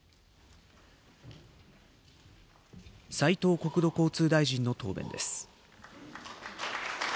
斉藤国土交通大臣の答弁です。